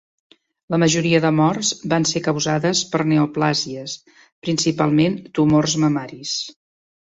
La majoria de morts van ser causades per neoplàsies, principalment tumors mamaris.